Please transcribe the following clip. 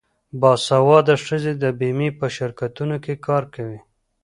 باسواده ښځې د بیمې په شرکتونو کې کار کوي.